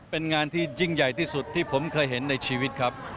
เป็นงานที่ยิ่งใหญ่ที่สุดที่ผมเคยเห็นในชีวิตครับ